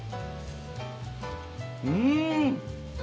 うん！